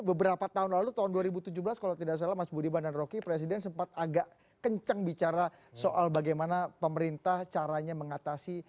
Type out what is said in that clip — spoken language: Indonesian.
beberapa tahun lalu tahun dua ribu tujuh belas kalau tidak salah mas budiman dan rocky presiden sempat agak kencang bicara soal bagaimana pemerintah caranya mengatasi